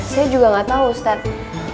saya juga nggak tahu ustadz